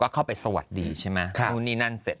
เข้าไปสวัสดีใช่ไหมนู่นนี่นั่นเสร็จ